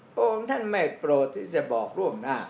พระองค์ท่านไม่โปรดที่จะบอกล่วงหน้า